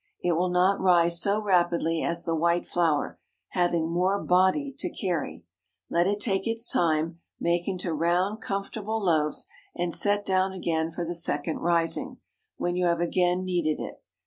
It will not rise so rapidly as the white flour, having more "body" to carry. Let it take its time; make into round, comfortable loaves, and set down again for the second rising, when you have again kneaded it.